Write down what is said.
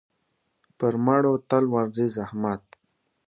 پر مړو تل ورځي زحمت.